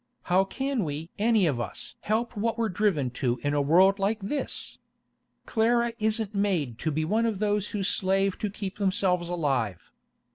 How can we any of us help what we're driven to in a world like this? Clara isn't made to be one of those who slave to keep themselves alive.